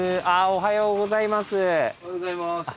おはようございます。